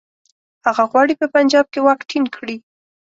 هغه غواړي په پنجاب کې واک ټینګ کړي.